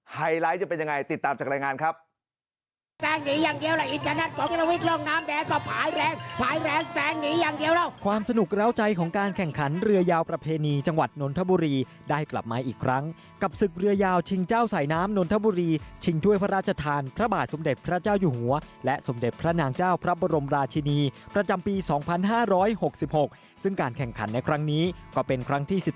ไฮไลท์จะเป็นยังไงติดตามจากรายงานครับ